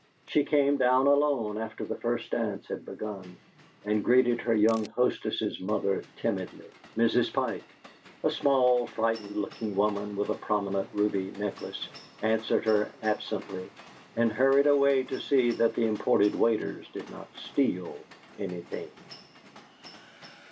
She came down alone after the first dance had begun, and greeted her young hostess's mother timidly. Mrs. Pike a small, frightened looking woman with a prominent ruby necklace answered her absently, and hurried away to see that the imported waiters did not steal anything.